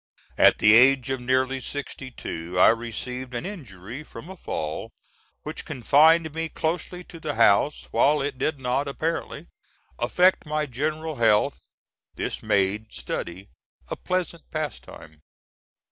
At the age of nearly sixty two I received an injury from a fall, which confined me closely to the house while it did not apparently affect my general health. This made study a pleasant pastime.